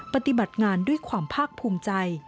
ปฏิบัติงานด้วยความภาคภูมิใจ